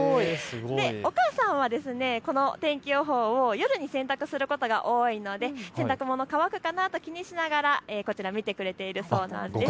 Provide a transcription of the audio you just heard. お母さんはこの天気予報を夜に洗濯することが多いので、洗濯物乾くかなと気にしながらこちらを見てくれているそうなんです。